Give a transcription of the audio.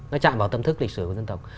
nó chạm vào tâm thức lịch sử của dân tộc